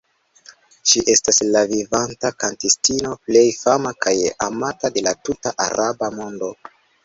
Ŝi estas la vivanta kantistino plej fama kaj amata de la tuta Araba mondo.